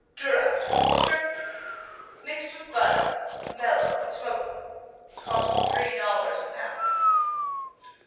Durak Turkey Mixed with butter; mellow and smoky. Costs three dollars a pound.